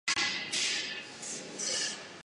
استاد بسم الله خان دروغ نه وایي.